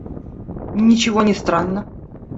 – Ничего не странно.